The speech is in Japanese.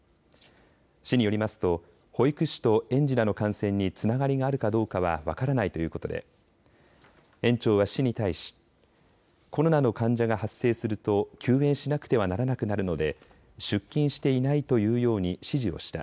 市によりますと保育士と園児らの感染につながりがあるかどうかは分からないということで園長は市に対しコロナの患者が発生すると休園しなくてはならなくなるので出勤していないと言うように指示をした。